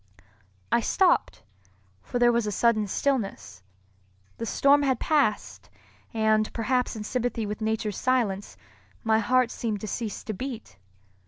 I stopped, for there was a sudden stillness. The storm had passed; and, perhaps in sympathy with nature's silence, my heart seemed to cease to beat.